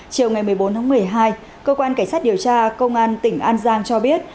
chiều ngày một mươi bốn tháng một mươi hai cơ quan cảnh sát điều tra công an tỉnh an giang cho biết